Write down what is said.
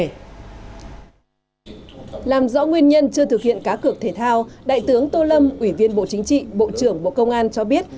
làm rõ nguyên nhân chưa thực hiện cá cược thể thao đại tướng tô lâm ủy viên bộ chính trị bộ trưởng bộ công an cho biết